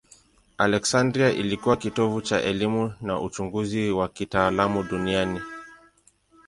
Aleksandria ilikuwa kitovu cha elimu na uchunguzi wa kitaalamu duniani.